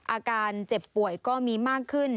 อาการเจ็บป่วยก็มีมากขึ้น